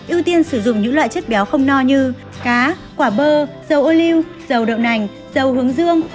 ưu tiên sử dụng những loại chất béo không no như cá quả bơ dầu ô lưu dầu đậu nành dầu hướng dương